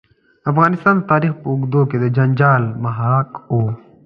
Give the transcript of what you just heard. افغانستان د تاریخ په اوږدو کې د جنجال محراق و.